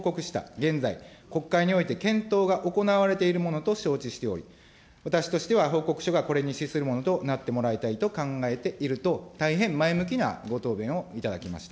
現在、国会において検討が行われているものと承知しており、私としては報告書がこれに資するものとなってもらいたいと考えていると、大変前向きなご答弁をいただきました。